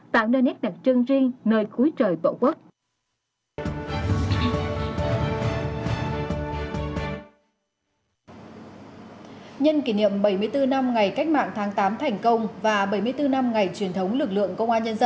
tạo nơi nét đặc trưng riêng nơi cuối trời bộ quốc